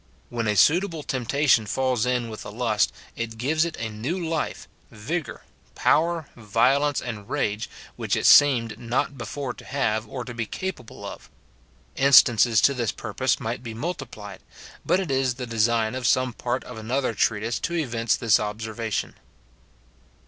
When a suitable temptation falls in with a lust, it gives it a new life, vigour, power, violence, and rage, which it seemed not before to have or to be capable of. Instances to this purpose might be multiplied ; but it is the design of some part of another treatise to evince this observation.